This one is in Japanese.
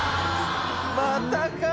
またか。